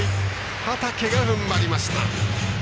畠がふんばりました。